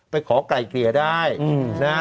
ไปขอไกลเกลี่ยได้นะฮะ